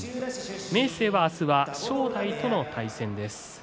明生は明日は正代との対戦です。